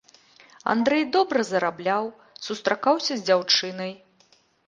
Андрэй добра зарабляў, сустракаўся з дзяўчынай.